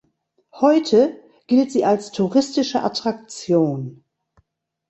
Heute gilt sie als touristische Attraktion.